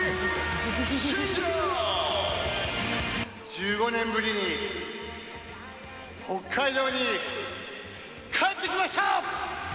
１５年ぶりに、北海道に帰ってきました！